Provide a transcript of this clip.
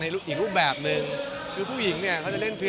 มีอีกประมาณ๑๐ปีมีอีกประมาณ๑๐ปี